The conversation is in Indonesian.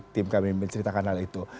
tim kami menceritakan hal itu